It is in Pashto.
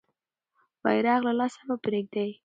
بیرغ له لاسه مه پرېږده.